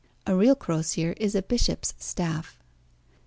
(A real crosier is a bishop's staff.)